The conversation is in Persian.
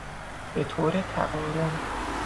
بطور تقارن